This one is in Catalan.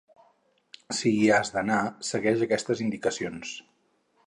Si hi has d'anar, segueix aquestes indicacions.